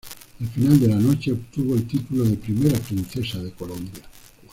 Al final de la noche obtuvo el título de primera princesa de Colombia.